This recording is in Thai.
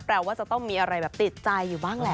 ว่าจะต้องมีอะไรแบบติดใจอยู่บ้างแหละ